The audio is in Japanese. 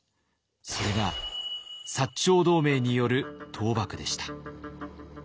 それが長同盟による倒幕でした。